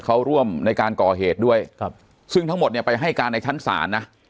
เขาร่วมในการก่อเหตุด้วยครับซึ่งทั้งหมดเนี่ยไปให้การในชั้นศาลนะ